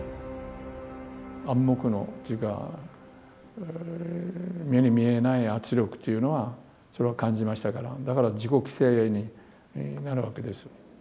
暗黙のというか目に見えない圧力というのはそれは感じましたからだから自己規制になるわけです。